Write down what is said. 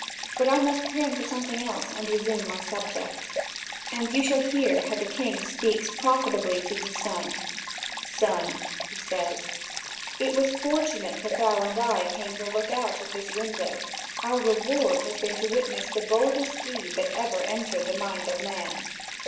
But I must turn to something else and resume my subject, and you shall hear how the king speaks profitably to his son: "Son," he says, "it was fortunate that thou and I came to look out this window; our reward has been to witness the boldest deed that ever entered the mind of man.